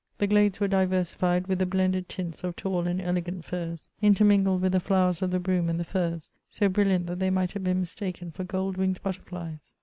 The glades were diversified with the blended tints of tall and elegant firs, intermingled with the flowers of the broom and the furze, so briUiant that they might have been mistaken for gold winged butterflies.